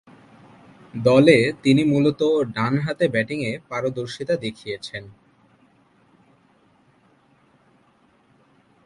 দলে তিনি মূলতঃ ডানহাতে ব্যাটিংয়ে পারদর্শীতা দেখিয়েছেন।